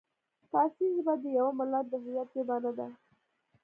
فارسي ژبه د یوه ملت د هویت ژبه نه ده.